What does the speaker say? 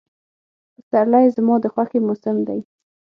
پسرلی زما د خوښې موسم دی.